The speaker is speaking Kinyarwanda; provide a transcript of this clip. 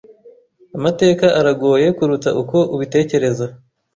Amateka aragoye kuruta uko ubitekereza.